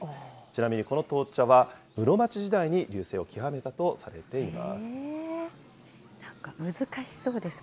ちなみにこの闘茶は室町時代に隆盛を極めたとされています。